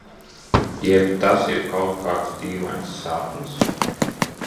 Jeb tas ir kaut kāds dīvains sapnis?